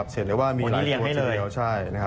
เช็ดเรียกว่ามีหลายตัวที่เดียวใช่